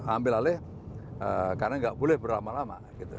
ambil alih karena nggak boleh berlama lama